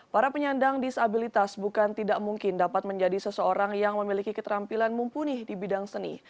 para penyandang disabilitas bukan tidak mungkin dapat menjadi seseorang yang memiliki keterampilan mumpuni di bidang seni